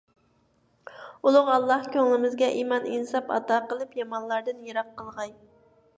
ئۇلۇغ ئاللاھ كۆڭلىمىزگە ئىمان، ئىنساب ئاتا قىلىپ، يامانلاردىن يىراق قىلغاي!